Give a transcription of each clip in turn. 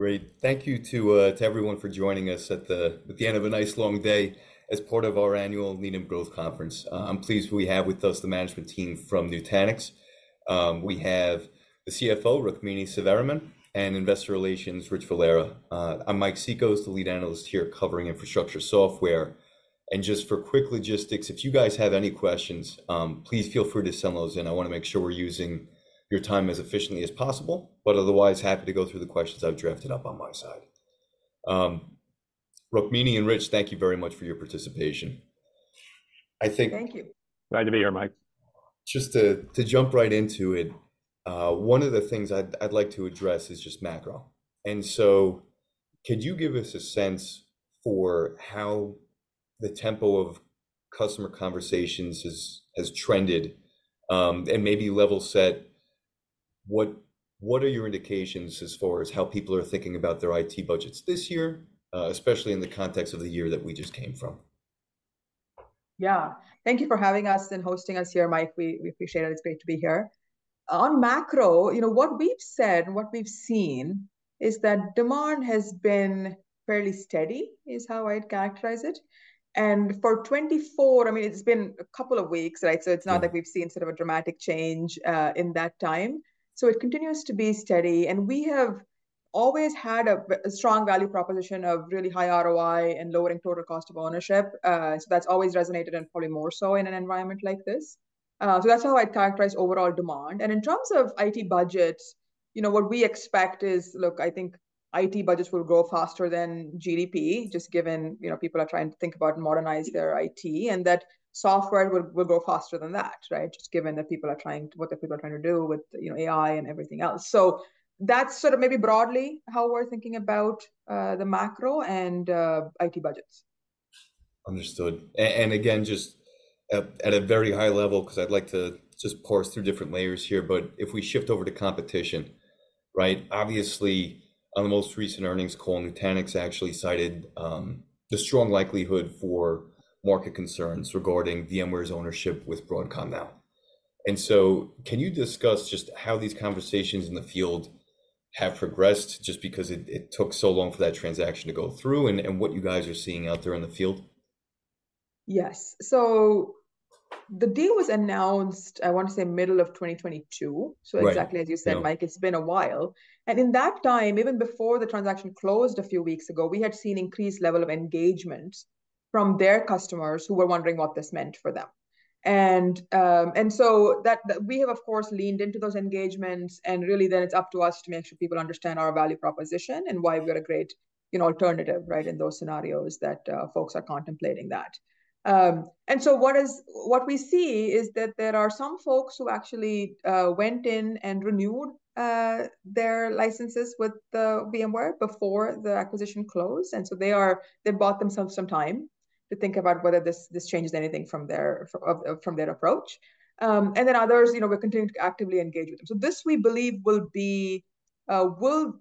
Great. Thank you to everyone for joining us at the end of a nice long day as part of our annual Needham Growth Conference. I'm pleased we have with us the management team from Nutanix. We have the CFO, Rukmini Sivaraman, and Investor Relations, Rich Valera. I'm Mike Cikos, the lead analyst here covering infrastructure software. And just for quick logistics, if you guys have any questions, please feel free to send those in. I wanna make sure we're using your time as efficiently as possible, but otherwise, happy to go through the questions I've drafted up on my side. Rukmini and Rich, thank you very much for your participation. I think— Thank you. Glad to be here, Mike. Just to jump right into it, one of the things I'd like to address is just macro. And so could you give us a sense for how the tempo of customer conversations has trended, and maybe level set what are your indications as far as how people are thinking about their IT budgets this year, especially in the context of the year that we just came from? Yeah. Thank you for having us and hosting us here, Mike. We, we appreciate it. It's great to be here. On macro, you know, what we've said, what we've seen, is that demand has been fairly steady, is how I'd characterize it. And for 2024, I mean, it's been a couple of weeks, right? So it's not like we've seen sort of a dramatic change in that time. So it continues to be steady, and we have always had a strong value proposition of really high ROI and lowering total cost of ownership. So that's always resonated, and probably more so in an environment like this. So that's how I'd characterize overall demand. And in terms of IT budgets, you know, what we expect is... Look, I think IT budgets will grow faster than GDP, just given, you know, people are trying to think about modernizing their IT, and that software will, will grow faster than that, right? Just given that people are trying—what the people are trying to do with, you know, AI and everything else. So that's sort of maybe broadly how we're thinking about the macro and IT budgets. Understood. And again, just at a very high level, 'cause I'd like to just parse through different layers here, but if we shift over to competition, right? Obviously, on the most recent earnings call, Nutanix actually cited the strong likelihood for market concerns regarding VMware's ownership with Broadcom now. And so can you discuss just how these conversations in the field have progressed, just because it took so long for that transaction to go through, and what you guys are seeing out there in the field? Yes. So the deal was announced, I want to say, middle of 2022. Right. So exactly as you said, Mike, it's been a while. And in that time, even before the transaction closed a few weeks ago, we had seen increased level of engagement from their customers, who were wondering what this meant for them. And so that we have, of course, leaned into those engagements, and really then it's up to us to make sure people understand our value proposition, and why we're a great, you know, alternative, right, in those scenarios that folks are contemplating that. And so what we see is that there are some folks who actually went in and renewed their licenses with the VMware before the acquisition closed. And so they bought themselves some time to think about whether this changes anything from their approach. And then others, you know, we're continuing to actively engage with them. So this, we believe, will be, will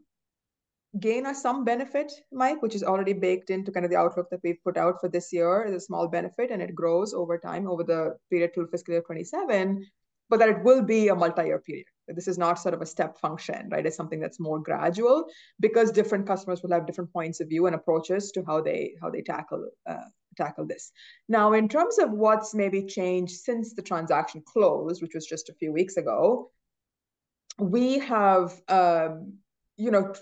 gain us some benefit, Mike, which is already baked into kind of the outlook that we've put out for this year, the small benefit, and it grows over time, over the period through fiscal year 2027, but that it will be a multi-year period. This is not sort of a step function, right? It's something that's more gradual, because different customers will have different points of view and approaches to how they, how they tackle, tackle this. Now, in terms of what's maybe changed since the transaction closed, which was just a few weeks ago, we have, you know,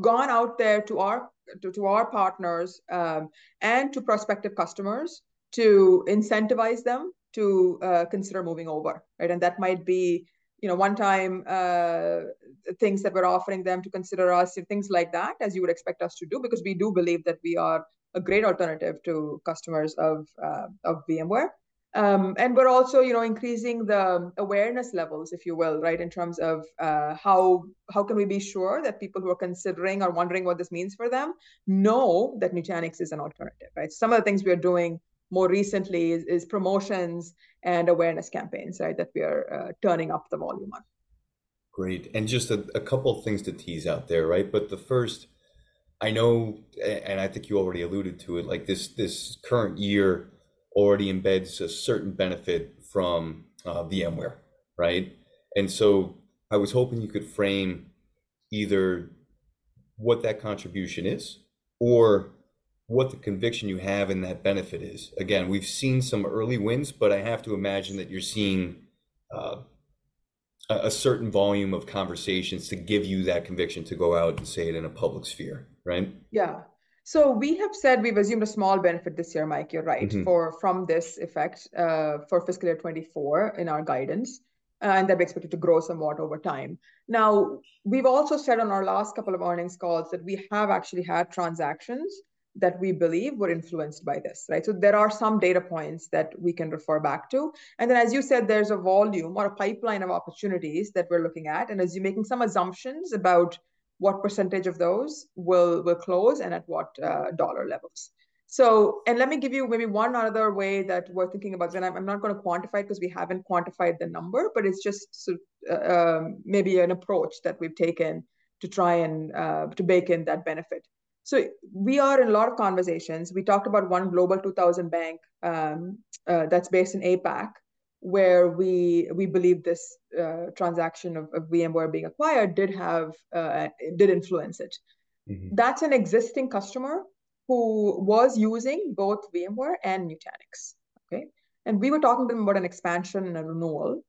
gone out there to our, to, to our partners, and to prospective customers to incentivize them to, consider moving over, right? That might be, you know, one-time things that we're offering them to consider us, and things like that, as you would expect us to do, because we do believe that we are a great alternative to customers of VMware. And we're also, you know, increasing the awareness levels, if you will, right, in terms of how can we be sure that people who are considering or wondering what this means for them know that Nutanix is an alternative, right? Some of the things we are doing more recently is promotions and awareness campaigns, right, that we are turning up the volume on. Great. And just a couple of things to tease out there, right? But the first, I know, and I think you already alluded to it, like this current year already embeds a certain benefit from VMware, right? And so I was hoping you could frame either what that contribution is or what the conviction you have in that benefit is. Again, we've seen some early wins, but I have to imagine that you're seeing a certain volume of conversations to give you that conviction to go out and say it in a public sphere, right? Yeah. So we have said we've assumed a small benefit this year, Mike, you're right for this effect for fiscal year 2024 in our guidance, and that's expected to grow somewhat over time. Now, we've also said on our last couple of earnings calls that we have actually had transactions that we believe were influenced by this, right? So there are some data points that we can refer back to. And then, as you said, there's a volume or a pipeline of opportunities that we're looking at, and as you're making some assumptions about what percentage of those will close and at what dollar levels. So, and let me give you maybe one other way that we're thinking about, and I'm not gonna quantify it, 'cause we haven't quantified the number, but it's just sort of maybe an approach that we've taken to try and to bake in that benefit. We are in a lot of conversations. We talked about one Global 2000 bank that's based in APAC where we believe this transaction of VMware being acquired did influence it. That's an existing customer who was using both VMware and Nutanix, okay? We were talking to them about an expansion and a renewal,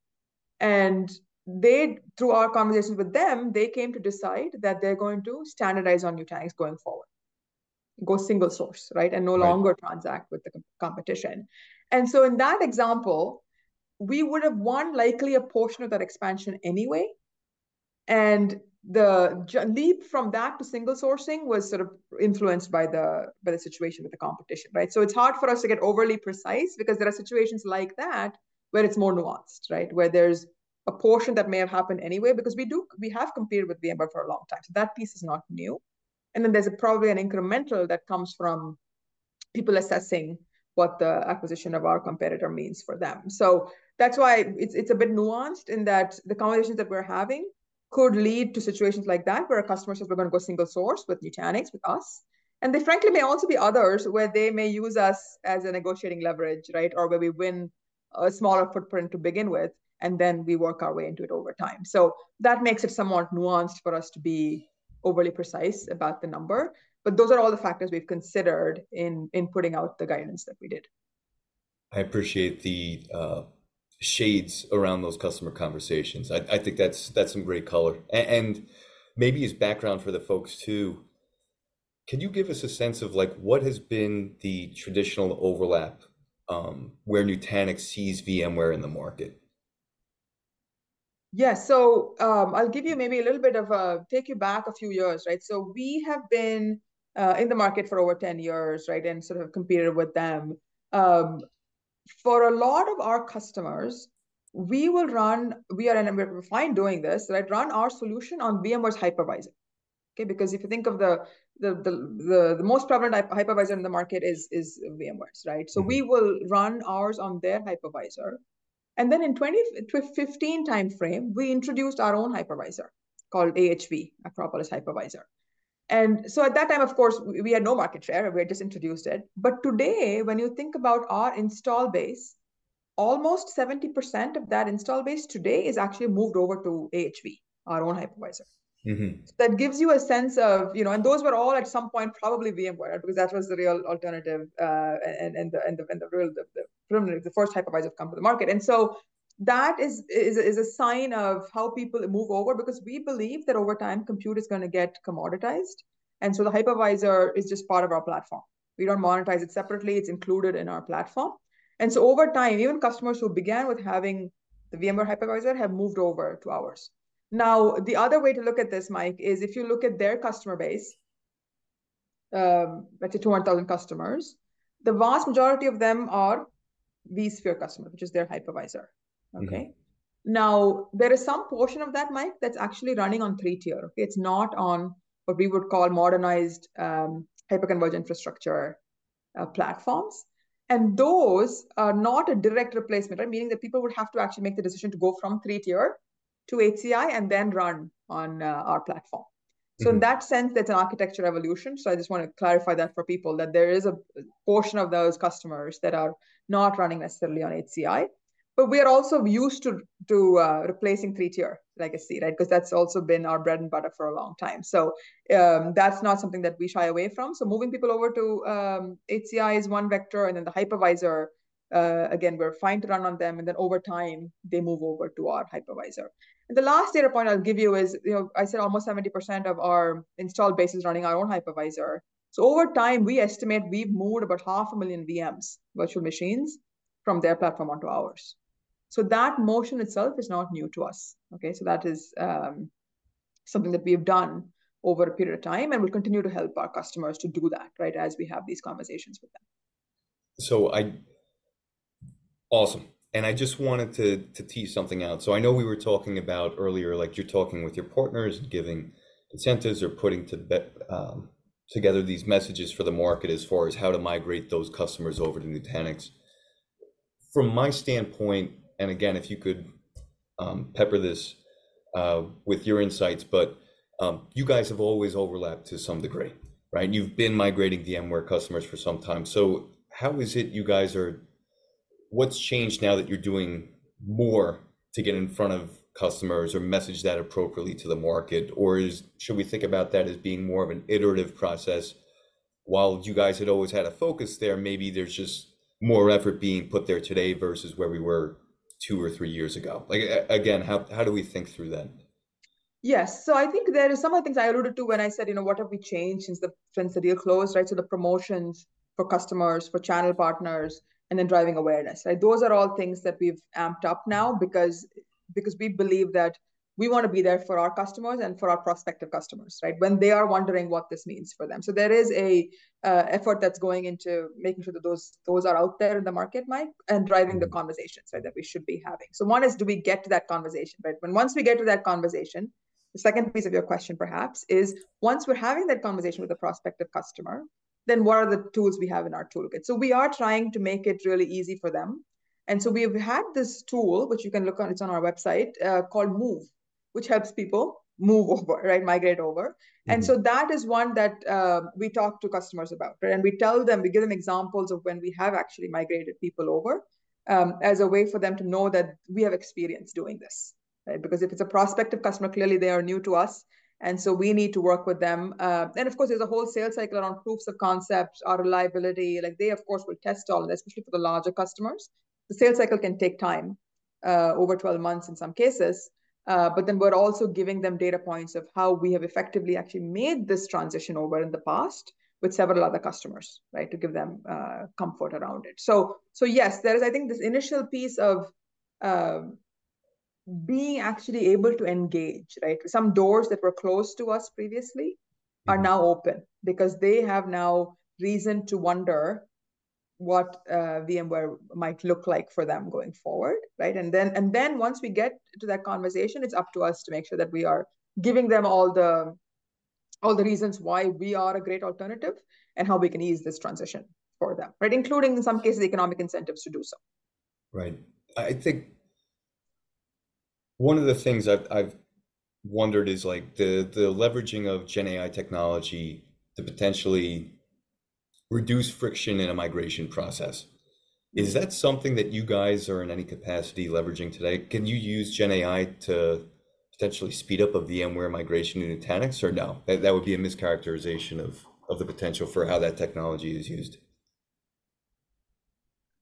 and they, through our conversations with them, they came to decide that they're going to standardize on Nutanix going forward. Go single source, right? Right. No longer transact with the competition. And so in that example, we would have won likely a portion of that expansion anyway, and the leap from that to single sourcing was sort of influenced by the situation with the competition, right? So it's hard for us to get overly precise, because there are situations like that where it's more nuanced, right? Where there's a portion that may have happened anyway, because we have competed with VMware for a long time. So that piece is not new, and then there's probably an incremental that comes from people assessing what the acquisition of our competitor means for them. So that's why it's a bit nuanced in that the conversations that we're having could lead to situations like that, where a customer says, "We're gonna go single source with Nutanix, with us." And there frankly may also be others, where they may use us as a negotiating leverage, right? Or where we win a smaller footprint to begin with, and then we work our way into it over time. So that makes it somewhat nuanced for us to be overly precise about the number, but those are all the factors we've considered in putting out the guidance that we did. I appreciate the shades around those customer conversations. I think that's some great color. And maybe as background for the folks, too, can you give us a sense of, like, what has been the traditional overlap where Nutanix sees VMware in the market? Yeah. So, I'll give you maybe a little bit of a take you back a few years, right? So we have been in the market for over 10 years, right, and sort of competed with them. For a lot of our customers, we will run... We are, and we're fine doing this, right, run our solution on VMware's hypervisor. Okay, because if you think of the most prevalent hypervisor in the market is VMware's, right? We will run ours on their hypervisor, and then in 2015 timeframe, we introduced our own hypervisor called AHV, Acropolis Hypervisor. At that time, of course, we had no market share, we had just introduced it. But today, when you think about our installed base, almost 70% of that installed base today is actually moved over to AHV, our own hypervisor. That gives you a sense of, you know, and those were all at some point probably VMware, because that was the real alternative, and the real first hypervisor to come to the market. And so that is a sign of how people move over, because we believe that over time, compute is gonna get commoditized, and so the hypervisor is just part of our platform. We don't monetize it separately, it's included in our platform. And so over time, even customers who began with having the VMware hypervisor have moved over to ours. Now, the other way to look at this, Mike, is if you look at their customer base, up to 200,000 customers, the vast majority of them are vSphere customers, which is their hypervisor. Okay? Now, there is some portion of that, Mike, that's actually running on three-tier. It's not on what we would call modernized, hyper-converged infrastructure, platforms, and those are not a direct replacement, right? Meaning that people would have to actually make the decision to go from three-tier to HCI and then run on, our platform. So in that sense, that's an architecture evolution, so I just wanna clarify that for people, that there is a portion of those customers that are not running necessarily on HCI. But we are also used to replacing three-tier legacy, right? 'Cause that's also been our bread and butter for a long time. So that's not something that we shy away from. So moving people over to HCI is one vector, and then the hypervisor, again, we're fine to run on them, and then over time they move over to our hypervisor. And the last data point I'll give you is, you know, I said almost 70% of our installed base is running our own hypervisor. So over time, we estimate we've moved about 500,000 VMs, virtual machines, from their platform onto ours. So that motion itself is not new to us, okay? So that is something that we have done over a period of time, and we continue to help our customers to do that, right, as we have these conversations with them. So, awesome. And I just wanted to tease something out. So I know we were talking about earlier, like, you're talking with your partners, giving incentives or putting together these messages for the market as far as how to migrate those customers over to Nutanix. From my standpoint, and again, if you could pepper this with your insights, but, you guys have always overlapped to some degree, right? You've been migrating VMware customers for some time. So how is it you guys are? What's changed now that you're doing more to get in front of customers or message that appropriately to the market? Or, should we think about that as being more of an iterative process? While you guys had always had a focus there, maybe there's just more effort being put there today versus where we were two or three years ago. Like, again, how do we think through that? Yes. So I think there is some of the things I alluded to when I said, you know, what have we changed since the, since the deal closed, right? So the promotions for customers, for channel partners, and then driving awareness, right? Those are all things that we've amped up now because, because we believe that we wanna be there for our customers and for our prospective customers, right? When they are wondering what this means for them. So there is a effort that's going into making sure that those, those are out there in the market, Mike, and driving the conversation, right, that we should be having. So one is, do we get to that conversation, right? But once we get to that conversation, the second piece of your question, perhaps, is once we're having that conversation with a prospective customer, then what are the tools we have in our toolkit? So we are trying to make it really easy for them. And so we've had this tool, which you can look on, it's on our website, called Move, which helps people move over, right, migrate over. And so that is one that, we talk to customers about, right? And we tell them, we give them examples of when we have actually migrated people over, as a way for them to know that we have experience doing this, right? Because if it's a prospective customer, clearly, they are new to us, and so we need to work with them. And of course, there's a whole sales cycle around proofs of concept, our reliability. Like, they, of course, will test all of this, especially for the larger customers. The sales cycle can take time, over 12 months in some cases. But then we're also giving them data points of how we have effectively actually made this transition over in the past with several other customers, right? To give them comfort around it. So, so yes, there is, I think, this initial piece of, being actually able to engage, right? Some doors that were closed to us previously are now open because they now have reason to wonder what VMware might look like for them going forward, right? And then, and then once we get to that conversation, it's up to us to make sure that we are giving them all the, all the reasons why we are a great alternative and how we can ease this transition for them, right? Including, in some cases, economic incentives to do so. Right. I think one of the things I've wondered is, like, the leveraging of GenAI technology to potentially reduce friction in a migration process. Is that something that you guys are in any capacity leveraging today? Can you use GenAI to potentially speed up a VMware migration in Nutanix, or no, that would be a mischaracterization of the potential for how that technology is used?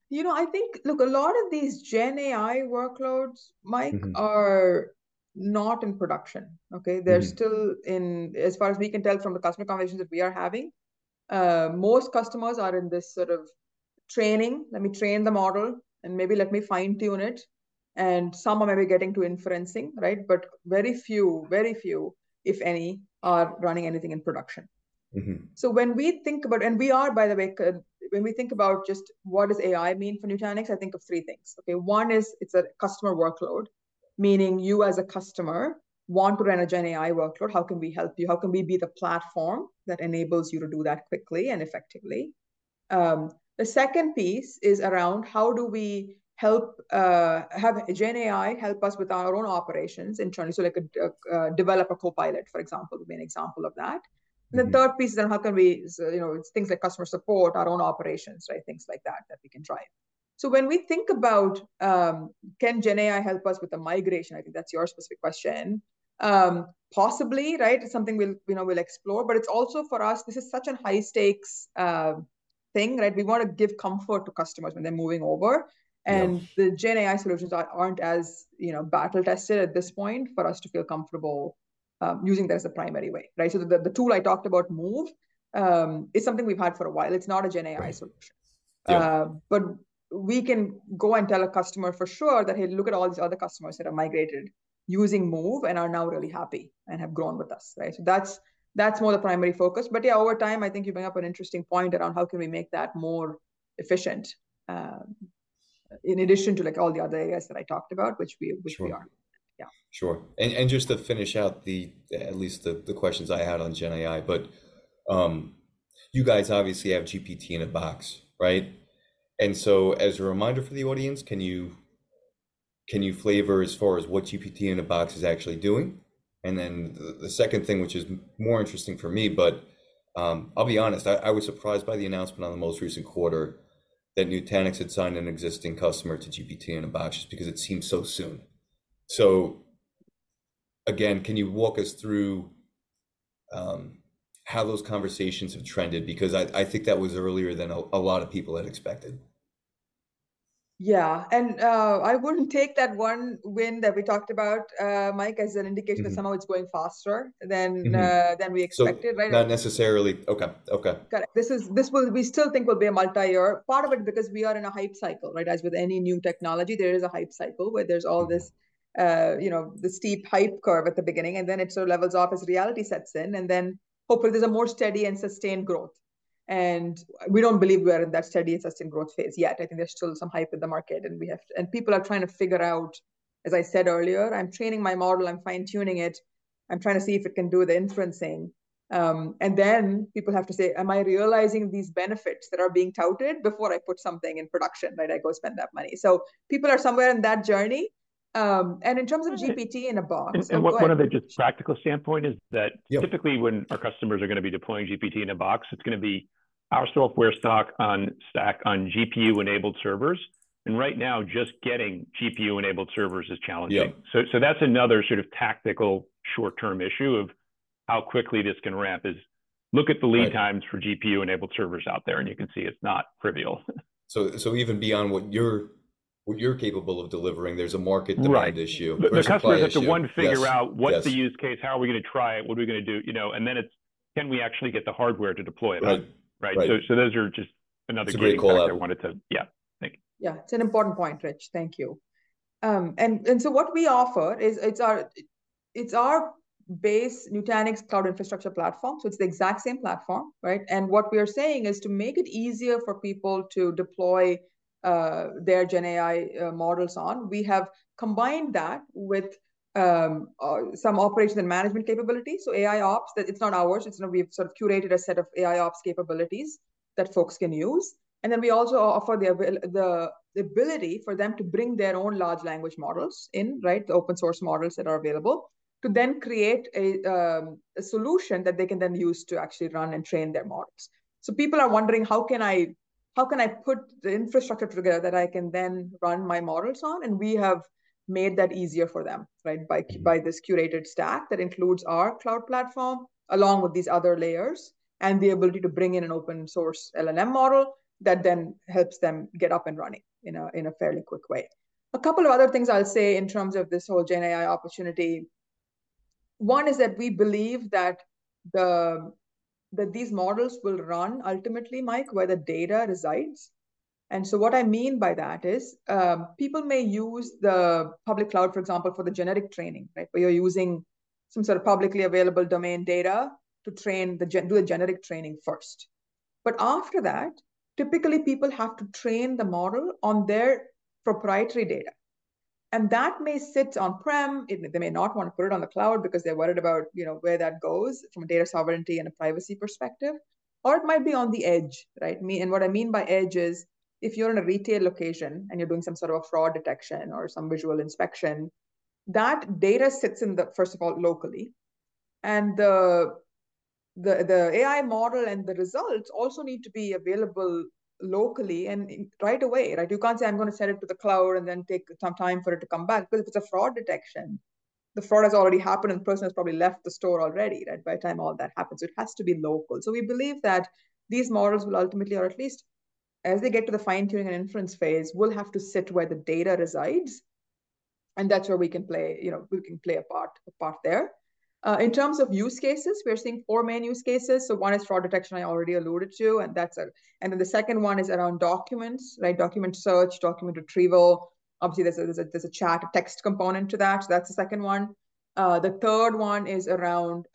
You know, I think... Look, a lot of these GenAI workloads, Mike, are not in production, okay? They're still in, as far as we can tell from the customer conversations that we are having, most customers are in this sort of training. "Let me train the model, and maybe let me fine-tune it," and some are maybe getting to inferencing, right? But very few, very few, if any, are running anything in production. So when we think about... And we are, by the way, when we think about just what does AI mean for Nutanix, I think of three things, okay? One is it's a customer workload, meaning you as a customer want to run a GenAI workload. How can we help you? How can we be the platform that enables you to do that quickly and effectively? The second piece is around how do we help have GenAI help us with our own operations internally, so like a developer co-pilot, for example, would be an example of that. And the third piece, then, how can we, you know, things like customer support, our own operations, right, things like that, that we can try. So when we think about, can GenAI help us with the migration, I think that's your specific question, possibly, right? It's something we'll, you know, we'll explore. But it's also, for us, this is such a high-stakes, thing, right? We wanna give comfort to customers when they're moving over. Yeah. The GenAI solutions are, aren't as, you know, battle-tested at this point for us to feel comfortable using that as a primary way, right? So the tool I talked about, Move, is something we've had for a while. It's not a GenAI solution. Right. Yeah. but we can go and tell a customer for sure that, "Hey, look at all these other customers that have migrated using Move and are now really happy and have grown with us," right? So that's more the primary focus. But, yeah, over time, I think you bring up an interesting point around how can we make that more efficient, in addition to, like, all the other areas that I talked about, which we are. Yeah. Sure. And just to finish out at least the questions I had on GenAI, but you guys obviously have GPT-in-a-Box, right? And so as a reminder for the audience, can you elaborate as far as what GPT-in-a-Box is actually doing? And then the second thing, which is more interesting for me, but I'll be honest, I was surprised by the announcement on the most recent quarter that Nutanix had signed an existing customer to GPT-in-a-Box just because it seemed so soon. So again, can you walk us through how those conversations have trended? Because I think that was earlier than a lot of people had expected. Yeah, and, I wouldn't take that one win that we talked about, Mike, as an indication that somehow it's going faster than we expected, right? So not necessarily... Okay, okay. Got it. This will, we still think, will be a multi-year. Part of it because we are in a hype cycle, right? As with any new technology, there is a hype cycle where there's all this you know, the steep hype curve at the beginning, and then it sort of levels off as reality sets in, and then hopefully there's a more steady and sustained growth. And we don't believe we're in that steady and sustained growth phase yet. I think there's still some hype in the market, and we have to- and people are trying to figure out, as I said earlier, "I'm training my model, I'm fine-tuning it. I'm trying to see if it can do the inferencing." And then people have to say, "Am I realizing these benefits that are being touted before I put something in production, right? I go spend that money." So people are somewhere on that journey. And in terms of GPT-in-a-Box— And one other just practical standpoint is that typically, when our customers are gonna be deploying GPT-in-a-Box, it's gonna be our software stack on GPU-enabled servers, and right now, just getting GPU-enabled servers is challenging. So, that's another sort of tactical short-term issue of how quickly this can ramp is—look at the lead times for GPU-enabled servers out there, and you can see it's not trivial. Even beyond what you're capable of delivering, there's a market demand issue. Right. There's a supply issue. The customers have to, one, figure out what's the use case, how are we gonna try it, what are we gonna do, you know, and then it's, can we actually get the hardware to deploy it, right? Right. Right. So, those are just another point— It's a great call-out. —I wanted to tell you, yeah. Thank you. Yeah, it's an important point, Rich. Thank you. And so what we offer is, it's our, it's our base Nutanix Cloud Infrastructure platform, so it's the exact same platform, right? And what we are saying is to make it easier for people to deploy their GenAI models on, we have combined that with some operations and management capabilities. So AIOps, that's not ours, it's not ours. We've sort of curated a set of AIOps capabilities that folks can use, and then we also offer the ability for them to bring their own large language models in, right? The open source models that are available, to then create a solution that they can then use to actually run and train their models. So people are wondering, how can I, how can I put the infrastructure together that I can then run my models on? And we have made that easier for them, right, by, by this curated stack that includes our cloud platform, along with these other layers, and the ability to bring in an open source LLM model that then helps them get up and running in a, in a fairly quick way. A couple of other things I'll say in terms of this whole GenAI opportunity, one is that we believe that the, that these models will run ultimately, Mike, where the data resides. And so what I mean by that is, people may use the public cloud, for example, for the generative training, right? Where you're using some sort of publicly available domain data to train the generative training first. But after that, typically people have to train the model on their proprietary data, and that may sit on-prem. They may not wanna put it on the cloud because they're worried about, you know, where that goes from a data sovereignty and a privacy perspective, or it might be on the edge, right? And what I mean by edge is, if you're in a retail location, and you're doing some sort of a fraud detection or some visual inspection, that data sits in the, first of all, locally, and the AI model and the results also need to be available locally and right away, right? You can't say, "I'm gonna send it to the cloud," and then take some time for it to come back. Because if it's a fraud detection, the fraud has already happened, and the person has probably left the store already, right? By the time all that happens, it has to be local. So we believe that these models will ultimately, or at least as they get to the fine-tuning and inference phase, will have to sit where the data resides, and that's where we can play, you know, we can play a part there. In terms of use cases, we are seeing four main use cases. So one is fraud detection, I already alluded to, and that's a. And then the second one is around documents, right? Document search, document retrieval. Obviously, there's a chat, a text component to that. So that's the second one. The third one is around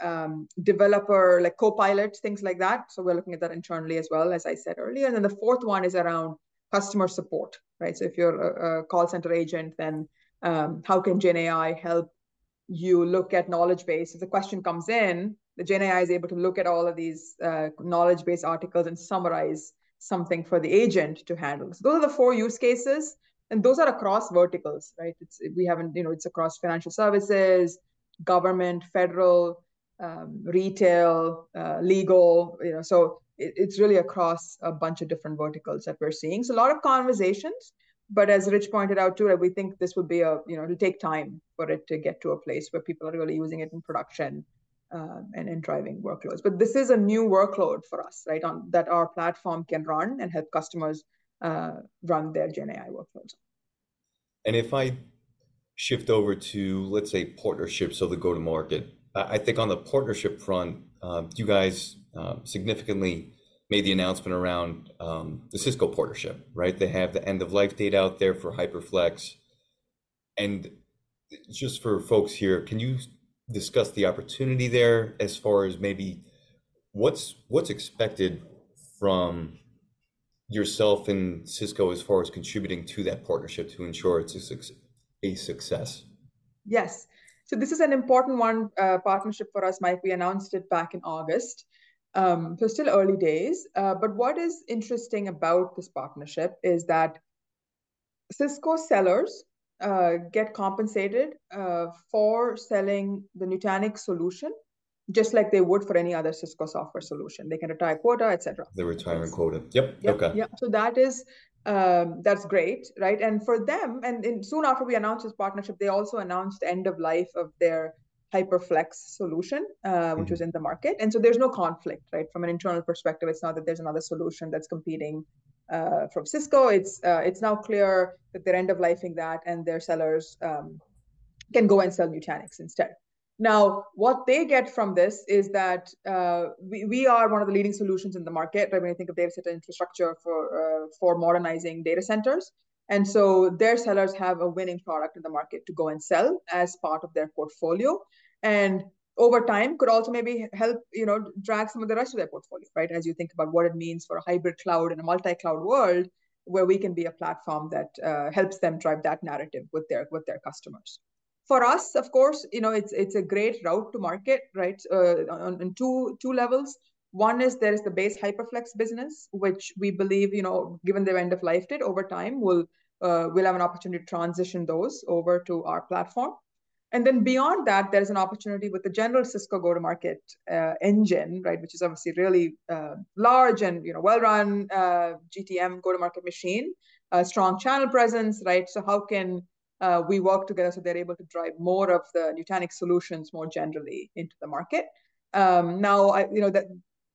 developer, like co-pilot, things like that. So we're looking at that internally as well, as I said earlier. And then the fourth one is around customer support, right? So if you're a call center agent, then how can GenAI help you look at knowledge base? If the question comes in, the GenAI is able to look at all of these knowledge base articles and summarize something for the agent to handle. So those are the four use cases, and those are across verticals, right? You know, it's across financial services, government, federal, retail, legal, you know. So it, it's really across a bunch of different verticals that we're seeing. So a lot of conversations, but as Rich pointed out, too, that we think this would be a, you know, it'll take time for it to get to a place where people are really using it in production, and in driving workloads. But this is a new workload for us, right, that our platform can run and help customers run their GenAI workloads. If I shift over to, let's say, partnerships, so the go-to-market. I think on the partnership front, you guys significantly made the announcement around the Cisco partnership, right? They have the end-of-life date out there for HyperFlex. And just for folks here, can you discuss the opportunity there as far as maybe what's expected from yourself and Cisco as far as contributing to that partnership to ensure it's a success? Yes. So this is an important one, partnership for us, Mike. We announced it back in August. So still early days, but what is interesting about this partnership is that Cisco sellers get compensated for selling the Nutanix solution, just like they would for any other Cisco software solution. They get a tie quota, et cetera. They retire a quota. Yep. Okay. Yeah. So that is, that's great, right? And for them, soon after we announced this partnership, they also announced End-of-Life of their HyperFlex solution which was in the market. And so there's no conflict, right? From an internal perspective, it's not that there's another solution that's competing from Cisco. It's now clear that they're End-of-Life-ing that, and their sellers can go and sell Nutanix instead. Now, what they get from this is that we are one of the leading solutions in the market. I mean, think of data center infrastructure for modernizing data centers. And so their sellers have a winning product in the market to go and sell as part of their portfolio, and over time, could also maybe help, you know, drive some of the rest of their portfolio, right? As you think about what it means for a hybrid cloud in a multi-cloud world, where we can be a platform that helps them drive that narrative with their, with their customers. For us, of course, you know, it's a great route to market, right, on two levels. One is there is the base HyperFlex business, which we believe, you know, given their End-of-Life date over time, we'll have an opportunity to transition those over to our platform. And then beyond that, there is an opportunity with the general Cisco go-to-market engine, right? Which is obviously really large and, you know, well-run GTM, go-to-market machine, a strong channel presence, right? So how can we work together so they're able to drive more of the Nutanix solutions more generally into the market? Now, you know,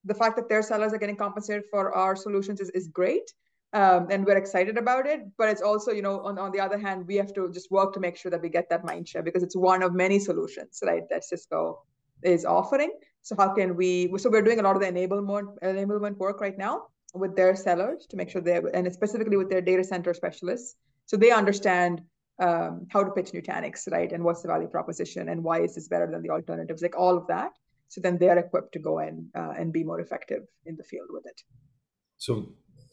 the fact that their sellers are getting compensated for our solutions is great, and we're excited about it. But it's also, you know, on the other hand, we have to just work to make sure that we get that mind share, because it's one of many solutions, right, that Cisco is offering. So we're doing a lot of the enablement work right now with their sellers to make sure they're... And specifically with their data center specialists, so they understand how to pitch Nutanix, right? And what's the value proposition, and why is this better than the alternatives? Like, all of that, so then they are equipped to go in and be more effective in the field with it.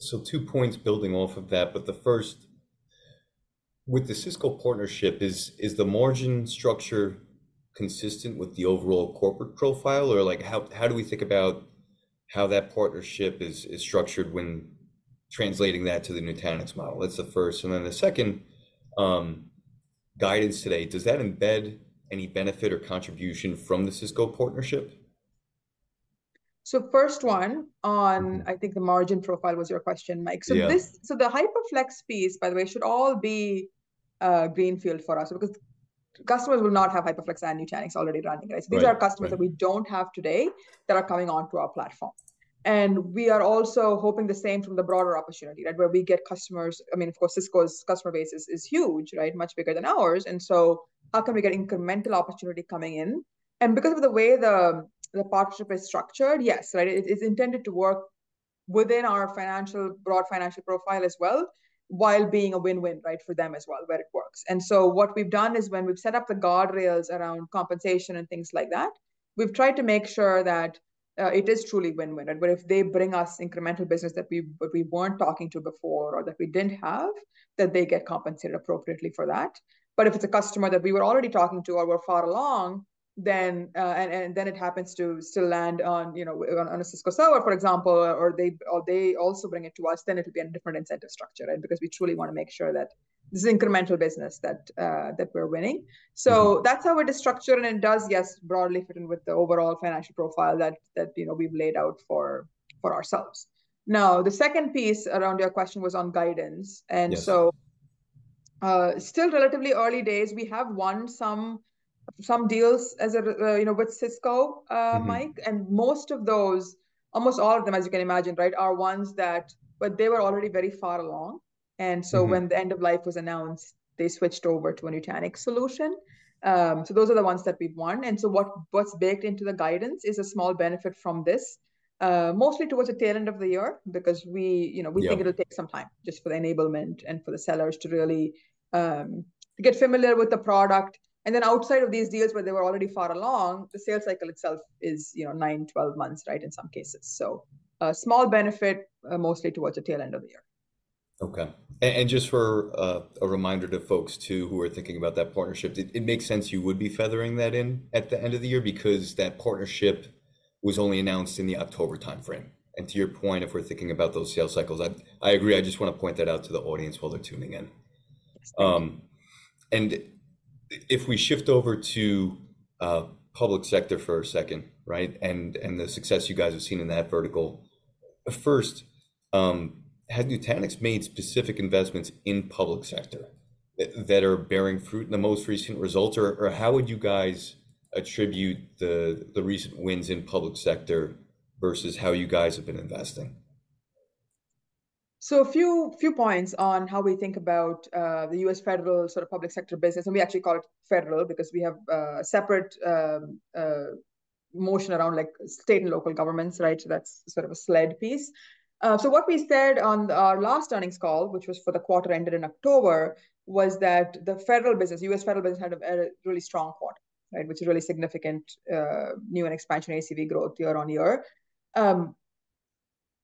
So two points building off of that, but the first: With the Cisco partnership, is the margin structure consistent with the overall corporate profile? Or, like, how do we think about how that partnership is structured when translating that to the Nutanix model? That's the first. And then the second, guidance today, does that embed any benefit or contribution from the Cisco partnership? So first one on- I think the margin profile was your question, Mike. Yeah. So, the HyperFlex piece, by the way, should all be greenfield for us because customers will not have HyperFlex and Nutanix already running, right? Right. These are customers that we don't have today that are coming onto our platform. We are also hoping the same from the broader opportunity, right? Where we get customers... I mean, of course, Cisco's customer base is, is huge, right? Much bigger than ours. So how can we get incremental opportunity coming in? Because of the way the, the partnership is structured, yes, right, it is intended to work within our financial, broad financial profile as well, while being a win-win, right, for them as well, where it works. So what we've done is, when we've set up the guardrails around compensation and things like that, we've tried to make sure that, it is truly win-win. And where if they bring us incremental business that we, that we weren't talking to before or that we didn't have, that they get compensated appropriately for that. But if it's a customer that we were already talking to or were far along, then it happens to still land on, you know, on a Cisco seller, for example, or they also bring it to us, then it'll be on a different incentive structure, right? Because we truly wanna make sure that this is incremental business that we're winning. So that's how we're structured, and it does, yes, broadly fit in with the overall financial profile that you know we've laid out for ourselves. Now, the second piece around your question was on guidance. Yes. So, still relatively early days, we have won some deals as a, you know, with Cisco, Mike. Most of those, almost all of them, as you can imagine, right, are ones that... But they were already very far along. When the End-of-Life was announced, they switched over to a Nutanix solution. Those are the ones that we've won. What’s baked into the guidance is a small benefit from this, mostly towards the tail end of the year, because we, you know we think it'll take some time just for the enablement and for the sellers to really get familiar with the product. And then outside of these deals where they were already far along, the sales cycle itself is, you know, nine to 12 months, right, in some cases. So a small benefit, mostly towards the tail end of the year. Okay. And just for a reminder to folks, too, who are thinking about that partnership, it makes sense you would be feathering that in at the end of the year because that partnership was only announced in the October timeframe. And to your point, if we're thinking about those sales cycles, I agree. I just want to point that out to the audience while they're tuning in. And if we shift over to public sector for a second, right, and the success you guys have seen in that vertical. First, has Nutanix made specific investments in public sector that are bearing fruit in the most recent results? Or how would you guys attribute the recent wins in public sector versus how you guys have been investing? So a few, few points on how we think about, the U.S. Federal sort of public sector business, and we actually call it Federal because we have, separate, motion around, like, state and local governments, right? So that's sort of a SLED piece. So what we said on our last earnings call, which was for the quarter ended in October, was that the Federal business, U.S. Federal business, had a, a really strong quarter, right? Which is really significant, new and expansion ACV growth year on year.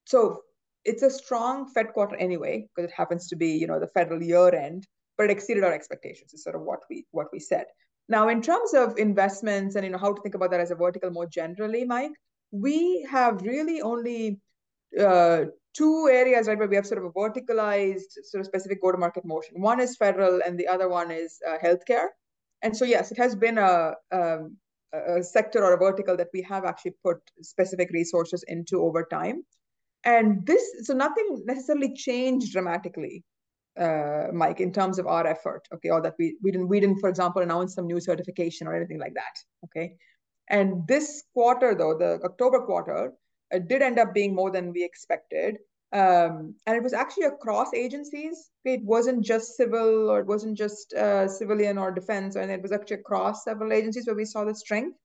So it's a strong Fed quarter anyway because it happens to be, you know, the Federal year-end, but it exceeded our expectations is sort of what we, what we said. Now, in terms of investments and you know, how to think about that as a vertical more generally, Mike, we have really only two areas, right, where we have sort of a verticalized sort of specific go-to-market motion. One is Federal, and the other one is healthcare. And so, yes, it has been a sector or a vertical that we have actually put specific resources into over time. So nothing necessarily changed dramatically, Mike, in terms of our effort, okay, or that we... We didn't, for example, announce some new certification or anything like that. Okay? And this quarter, though, the October quarter, it did end up being more than we expected. And it was actually across agencies. It wasn't just civil, or it wasn't just, civilian or defense, and it was actually across several agencies where we saw the strength.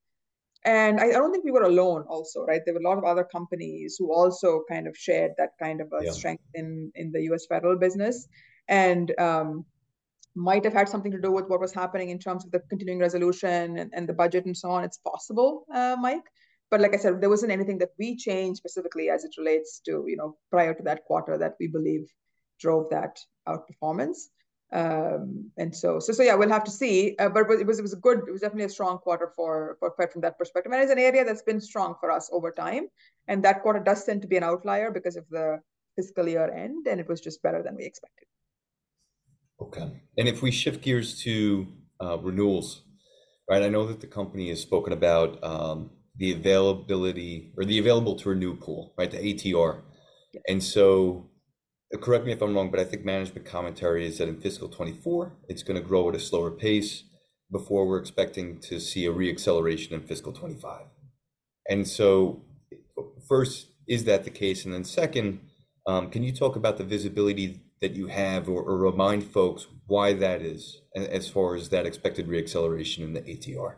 And I don't think we were alone also, right? There were a lot of other companies who also kind of shared that kind of a strength in the U.S. Federal business. Might have had something to do with what was happening in terms of the continuing resolution and the budget and so on. It's possible, Mike, but like I said, there wasn't anything that we changed specifically as it relates to, you know, prior to that quarter that we believe drove that outperformance. And so yeah, we'll have to see. But it was good. It was definitely a strong quarter from that perspective, and it is an area that's been strong for us over time. And that quarter does tend to be an outlier because of the fiscal year-end, and it was just better than we expected. Okay. And if we shift gears to renewals, right? I know that the company has spoken about the availability or the available to renew pool, right, the ATR. And so, correct me if I'm wrong, but I think management commentary is that in fiscal 2024, it's gonna grow at a slower pace before we're expecting to see a re-acceleration in fiscal 2025. And so, first, is that the case? And then second, can you talk about the visibility that you have or, or remind folks why that is as far as that expected re-acceleration in the ATR?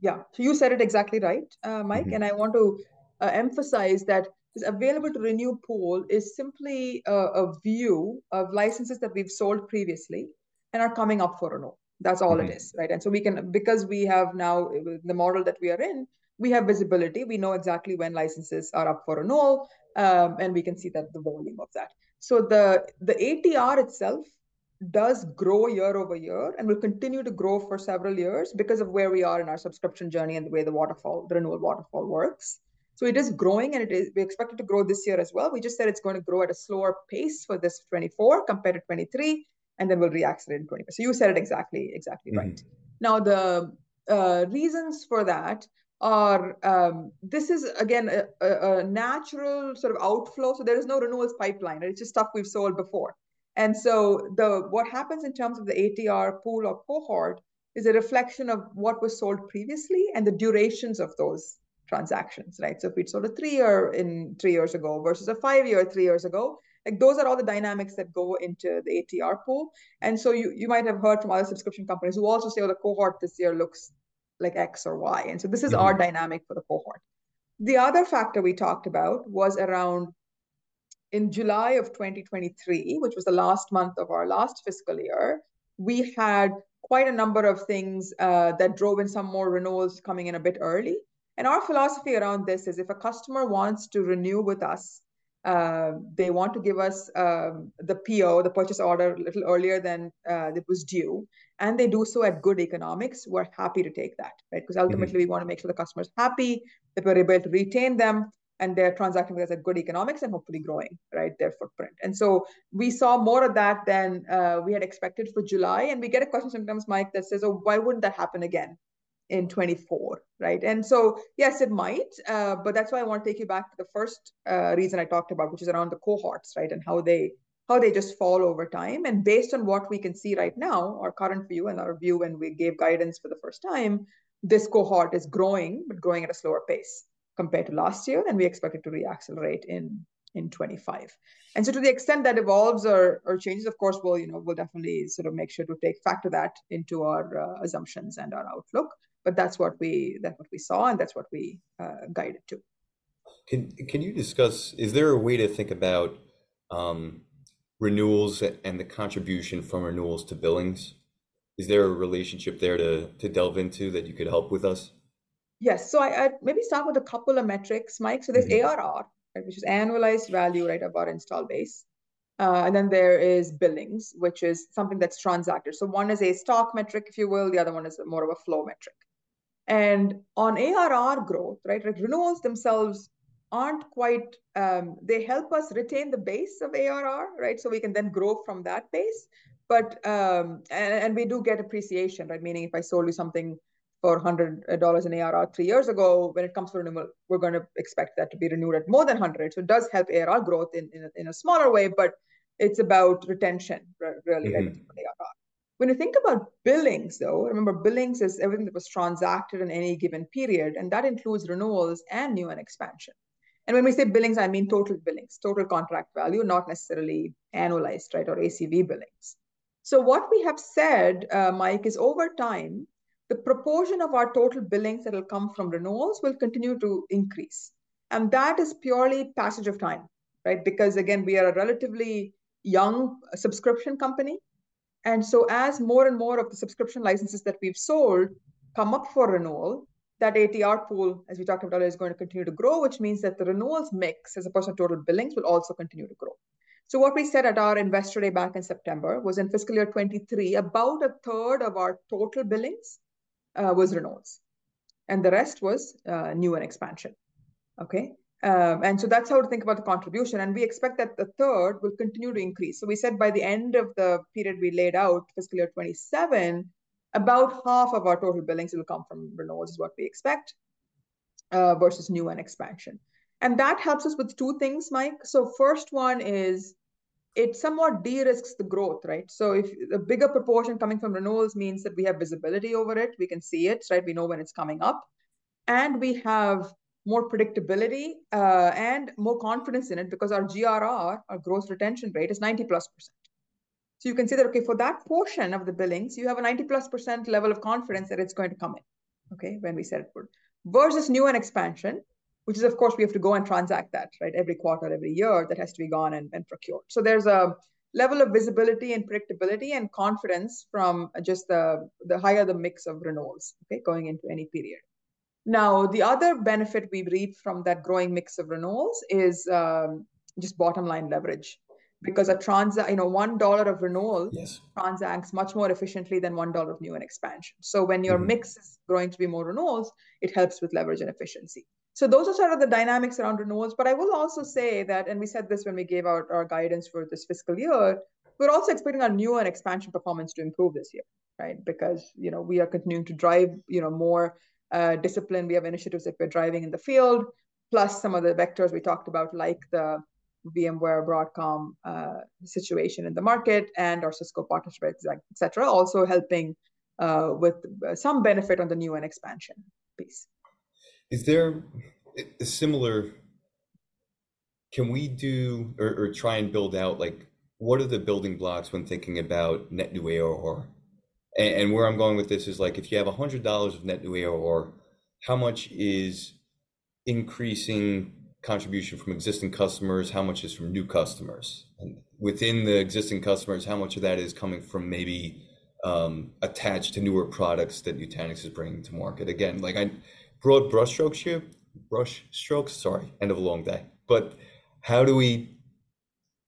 Yeah. So you said it exactly right, Mike. I want to emphasize that this Available to Renew pool is simply a view of licenses that we've sold previously and are coming up for renewal. That's all it is, right? And so we can, because we have now the model that we are in, we have visibility. We know exactly when licenses are up for renewal, and we can see the volume of that. So the ATR itself does grow year-over-year and will continue to grow for several years because of where we are in our subscription journey and the way the waterfall, the renewal waterfall works. So it is growing, and it is. We expect it to grow this year as well. We just said it's going to grow at a slower pace for this 2024 compared to 2023, and then we'll reaccelerate in 2025. So you said it exactly, exactly right. Now, the reasons for that are, this is again a natural sort of outflow, so there is no renewals pipeline. It's just stuff we've sold before. And so what happens in terms of the ATR pool or cohort is a reflection of what was sold previously and the durations of those transactions, right? So if we'd sold a 3-year in 3 years ago versus a five-years, three-years ago, like, those are all the dynamics that go into the ATR pool. And so you might have heard from other subscription companies who also say, "Well, the cohort this year looks like X or Y. This is our dynamic for the cohort. The other factor we talked about was around in July of 2023, which was the last month of our last fiscal year. We had quite a number of things that drove in some more renewals coming in a bit early. Our philosophy around this is: if a customer wants to renew with us, they want to give us the PO, the purchase order, a little earlier than it was due, and they do so at good economics, we're happy to take that, right? Because ultimately, we wanna make sure the customer's happy, that we're able to retain them, and they're transacting with us at good economics and hopefully growing, right, their footprint. And so we saw more of that than we had expected for July, and we get a question sometimes, Mike, that says, "Well, why wouldn't that happen again in 2024?" Right? And so, yes, it might. But that's why I want to take you back to the first reason I talked about, which is around the cohorts, right? And how they just fall over time. And based on what we can see right now, our current view and our view when we gave guidance for the first time, this cohort is growing but growing at a slower pace compared to last year, and we expect it to reaccelerate in 2025. And so to the extent that evolves or changes, of course, we'll, you know, we'll definitely sort of make sure to take that factor into our assumptions and our outlook. But that's what we saw, and that's what we guided to. Can you discuss... Is there a way to think about renewals and the contribution from renewals to billings? Is there a relationship there to delve into that you could help with us? Yes. So I maybe start with a couple of metrics, Mike. So there's ARR, right, which is annualized value, right, of our install base. And then there is billings, which is something that's transacted. So one is a stock metric, if you will; the other one is more of a flow metric. And on ARR growth, right, like, renewals themselves aren't quite... They help us retain the base of ARR, right? So we can then grow from that base. But, and we do get appreciation, right? Meaning, if I sold you something for $100 in ARR three years ago, when it comes to renewal, we're gonna expect that to be renewed at more than $100. So it does help ARR growth in a smaller way, but it's about retention really like with ARR. When you think about billings, though, remember, billings is everything that was transacted in any given period, and that includes renewals and new and expansion. And when we say billings, I mean Total Billings, total contract value, not necessarily annualized, right, or ACV billings. So what we have said, Mike, is over time, the proportion of our total billings that'll come from renewals will continue to increase, and that is purely passage of time, right? Because, again, we are a relatively young subscription company, and so as more and more of the subscription licenses that we've sold come up for renewal, that ATR pool, as we talked about earlier, is going to continue to grow, which means that the renewals mix as a percent of total billings will also continue to grow. So what we said at our Investor Day back in September was in fiscal year 2023, about a third of our total billings was renewals, and the rest was new and expansion. Okay? And so that's how to think about the contribution, and we expect that the third will continue to increase. So we said by the end of the period we laid out, fiscal year 2027, about half of our total billings will come from renewals, is what we expect, versus new and expansion. And that helps us with two things, Mike. So first one is it somewhat de-risks the growth, right? So if a bigger proportion coming from renewals means that we have visibility over it, we can see it, right? We know when it's coming up, and we have more predictability, and more confidence in it because our GRR, our gross retention rate, is 90%+. So you can say that, okay, for that portion of the billings, you have a 90%+ level of confidence that it's going to come in, okay, when we set it forward, versus new and expansion, which is, of course, we have to go and transact that, right? Every quarter, every year, that has to be gone and procured. So there's a level of visibility and predictability and confidence from just the higher the mix of renewals, okay, going into any period. Now, the other benefit we reap from that growing mix of renewals is just bottom line leverage. Because, you know, $1 of renewal transacts much more efficiently than $1 of new and expansion. So when your mix is going to be more renewals, it helps with leverage and efficiency. So those are sort of the dynamics around renewals, but I will also say that, and we said this when we gave out our guidance for this fiscal year, we're also expecting our new and expansion performance to improve this year, right? Because, you know, we are continuing to drive, you know, more, discipline. We have initiatives that we're driving in the field, plus some of the vectors we talked about, like the VMware Broadcom situation in the market and our Cisco partnership, et cetera, also helping, with some benefit on the new and expansion piece. Is there a similar... Can we do or try and build out, like, what are the building blocks when thinking about net new ARR? And where I'm going with this is, like, if you have $100 of net new ARR, how much is increasing contribution from existing customers? How much is from new customers? And within the existing customers, how much of that is coming from maybe... attached to newer products that Nutanix is bringing to market? Again, like, broad brushstrokes here, brush strokes, sorry, end of a long day. But how do we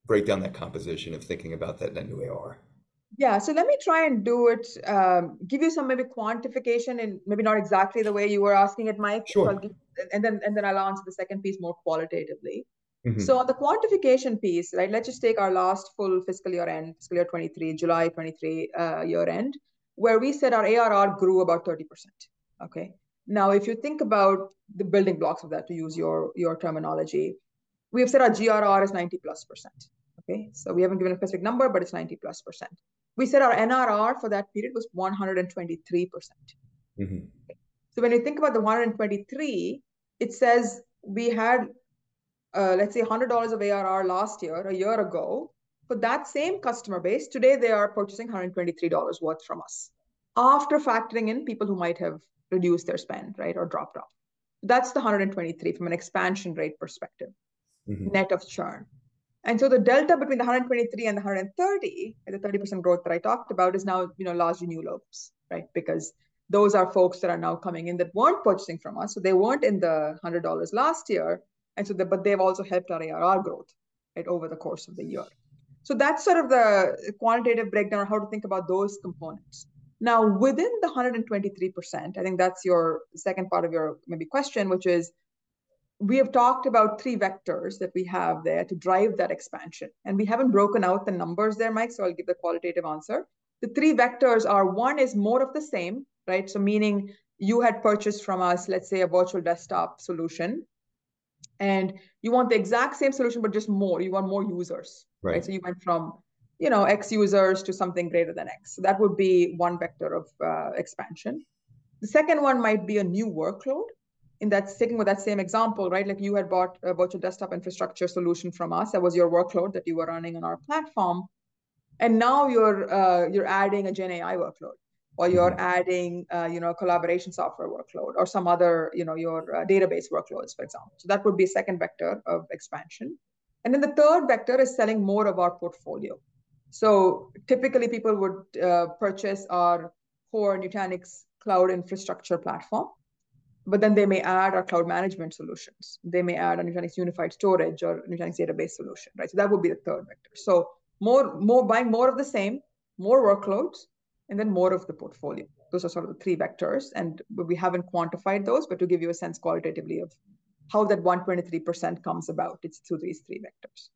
break down that composition of thinking about that in a new AR? Yeah, so let me try and do it, give you some maybe quantification in maybe not exactly the way you were asking it, Mike. Sure. And then I'll answer the second piece more qualitatively. So on the quantification piece, right, let's just take our last full fiscal year-end, fiscal year 2023, July 2023, year-end, where we said our ARR grew about 30%, okay? Now, if you think about the building blocks of that, to use your, your terminology, we have said our GRR is 90%+, okay? So we haven't given a specific number, but it's 90%+. We said our NRR for that period was 123%. So when you think about the 123%, it says we had, let's say, $100 of ARR last year, a year ago, but that same customer base, today they are purchasing $123 worth from us, after factoring in people who might have reduced their spend, right, or dropped off. That's the 123% from an expansion rate perspective net of churn. And so the delta between the 123% and the 130%, the 30% growth that I talked about, is now, you know, large new logos, right? Because those are folks that are now coming in that weren't purchasing from us, so they weren't in the $100 last year, and so the- but they've also helped our ARR growth, right, over the course of the year. So that's sort of the quantitative breakdown on how to think about those components. Now, within the 123%, I think that's your second part of your maybe question, which is, we have talked about three vectors that we have there to drive that expansion, and we haven't broken out the numbers there, Mike, so I'll give the qualitative answer. The three vectors are, one is more of the same, right? So meaning you had purchased from us, let's say, a virtual desktop solution, and you want the exact same solution, but just more. You want more users. So you went from, you know, X users to something greater than X. So that would be one vector of expansion. The second one might be a new workload, and that's sticking with that same example, right? Like, you had bought a virtual desktop infrastructure solution from us. That was your workload that you were running on our platform, and now you're adding a GenAI workload, or you're adding, you know, a collaboration software workload or some other, you know, your database workloads, for example. So that would be second vector of expansion. And then the third vector is selling more of our portfolio. So typically, people would purchase our core Nutanix Cloud Infrastructure platform, but then they may add our cloud management solutions. They may add a Nutanix Unified Storage or Nutanix database solution, right? So that would be the third vector. So more, more, buying more of the same, more workloads, and then more of the portfolio. Those are sort of the three vectors, and but we haven't quantified those, but to give you a sense qualitatively of how that 123% comes about, it's through these three vectors.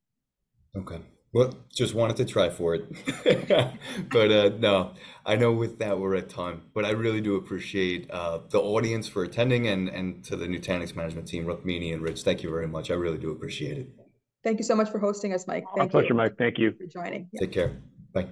Okay. Well, just wanted to try for it. But no, I know with that we're at time. But I really do appreciate the audience for attending, and to the Nutanix management team, Rukmini and Rich, thank you very much. I really do appreciate it. Thank you so much for hosting us, Mike. Thank you. My pleasure, Mike. Thank you. Thank you for joining. Take care. Bye.